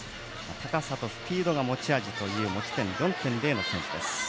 高さとスピードが持ち味という持ち点４．０の選手です。